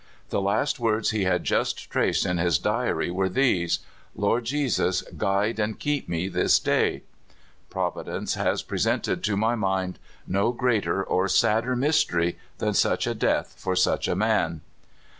The last words he had just traced in his diary were these: Lord Jesus, guide and keep me tliis day." Providence has presented to my mind no greater or sadder mvsterv than such a death for such a man.